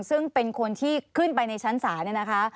ซึ่งเป็นคนที่ขึ้นไปในชั้นศาลเนี่ยนะคะ